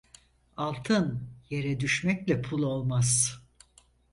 Altın yere düşmekle pul olmaz.